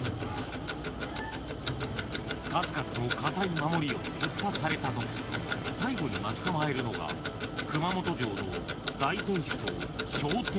［数々のかたい守りを突破されたとき最後に待ち構えるのが熊本城の大天守と小天守］